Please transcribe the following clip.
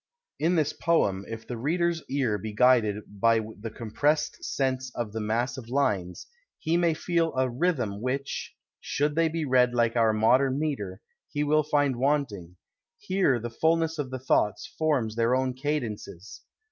In this poem, if the reader's ear be guided by the compressed sense of the massive lines, he may feel a rhythm which, should they be read like our modern metre, he will find wanting; here the fulness of the thoughts forms their own cadences.